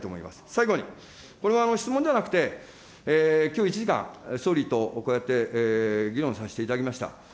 最後に、これは質問ではなくて、きょう１時間、総理とこうやって議論させていただきました。